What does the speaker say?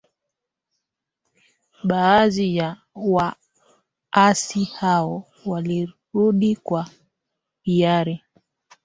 Baadhi ya waasi hao walirudi kwa hiari